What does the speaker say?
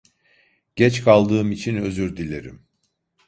Geç kaldığım için özür dilerim.